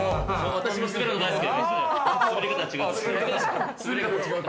私も滑るの大好き！